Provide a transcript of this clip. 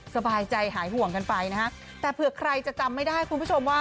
สบายใจหายห่วงกันไปนะฮะแต่เผื่อใครจะจำไม่ได้คุณผู้ชมว่า